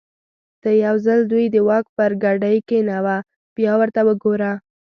ته یو ځل دوی د واک پر ګدۍ کېنوه بیا ورته وګوره.